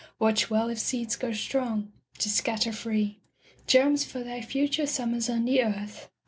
Watch well if seeds grow strong, to scatter free Germs for thy future summers on the earth.